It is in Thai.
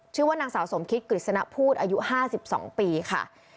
ชื่อว่านางสาวสมคิตกฤษณพูดอายุ๕๒ปีค่ะ